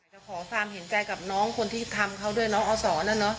ขอความเห็นใจกับน้องคนที่ทำเขาด้วยน้องอสอนนะเนอะ